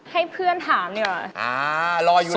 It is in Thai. ให้เพื่อนถามนี่หรอ